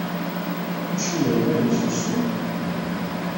Učči-ya yella deg-s weksum?